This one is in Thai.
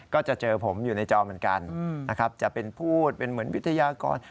ก็จะเจอผมอยู่ในจอเหมือนกันนะครับจะเป็นพูดเป็นเหมือนวิทยากร